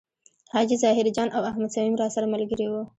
حاجي ظاهر جان او احمد صمیم راسره ملګري و.